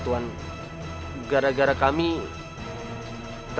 tunggu bekother ini